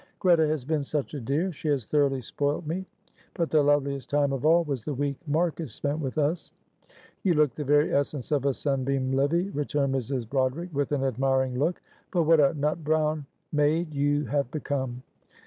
"Greta has been such a dear, she has thoroughly spoilt me; but the loveliest time of all was the week Marcus spent with us." "You look the very essence of a sunbeam, Livy," returned Mrs. Broderick, with an admiring look; "but what a nut brown mayde you have become.